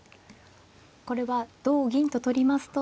これは同銀と取りますとそこで。